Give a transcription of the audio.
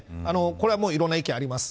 これは、いろんな意見あります。